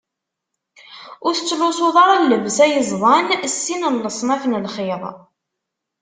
Ur tettlusuḍ ara llebsa yeẓḍan s sin n leṣnaf n lxiḍ.